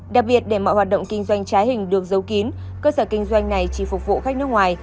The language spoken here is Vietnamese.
đặc biệt để mọi hoạt động kinh doanh trái hình được giấu kín cơ sở kinh doanh này chỉ phục vụ khách nước ngoài